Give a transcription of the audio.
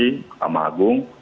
yang tertinggi sama agung